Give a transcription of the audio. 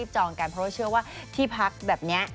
พร้อมเชื่อว่าที่พักแบบเนี้ย